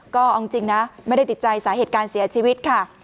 ก็เอาจริงนะไม่ได้ติดใจสาเหตุการเสียชีวิตค่ะ